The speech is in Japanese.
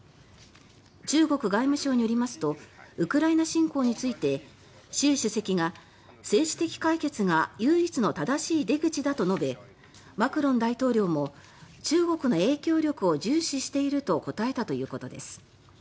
中国外務省によりますとウクライナ侵攻について習主席が、政治的解決が唯一の正しい出口だと述べマクロン大統領も中国の影響力を重視していると答えたということです。